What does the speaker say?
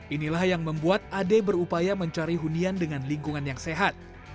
inilah yang membuat ade berupaya mencari hunian dengan lingkungan yang sehat